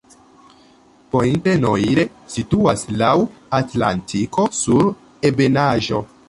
Pointe-Noire situas laŭ Atlantiko sur ebenaĵo.